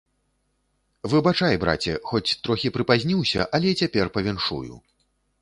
Выбачай, браце, хоць трохі прыпазніўся, але цяпер павіншую.